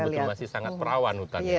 betul betul masih sangat perawan hutan ini